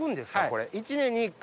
これ１年に１回。